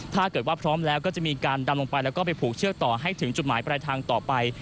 ถ้าเกิดว่าพร้อมแล้วก็จะมีการดำลงไปแล้วก็ไปผูกเชือกต่อให้ถึงจุดหมายปลายทางต่อไป